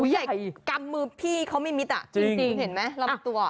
ใหญ่กำมือพี่เขาไม่มิดอ่ะจริงเห็นไหมลำตัว